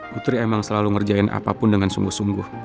putri emang selalu ngerjain apapun dengan sungguh sungguh